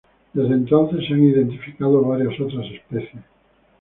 Desde entonces se han identificado varias otras especies.